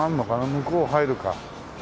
向こう入るか。